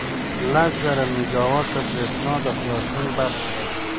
لس زره میګاوټه بریښنا د خلاصون برخه ده.